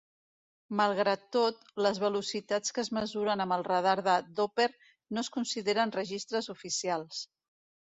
Malgrat tot, les velocitats que es mesuren amb el radar de Dopper no es consideren registres oficials.